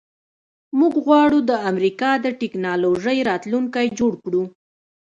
موږ غواړو د امریکا د ټیکنالوژۍ راتلونکی جوړ کړو